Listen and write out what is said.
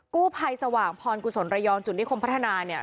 กู้ภัยสว่างพรกุศลระยองจุดนิคมพัฒนาเนี่ย